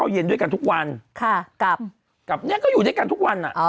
เย็นด้วยกันทุกวันค่ะกลับกลับเนี่ยก็อยู่ด้วยกันทุกวันอ่ะ